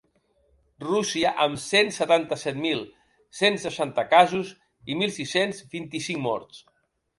Rússia, amb cent setanta-set mil cent seixanta casos i mil sis-cents vint-i-cinc morts.